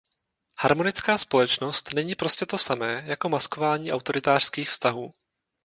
Harmonická společnost není prostě to samé, jako maskování autoritářských vztahů.